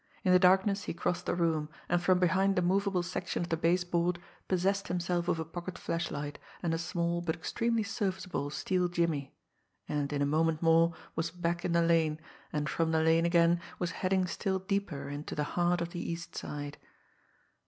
In the darkness he crossed the room, and from behind the movable section of the baseboard possessed himself of a pocket flashlight, and a small, but extremely serviceable, steel jimmy and in a moment more was back in the lane, and from the lane again was heading still deeper into the heart of the East Side.